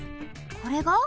これが？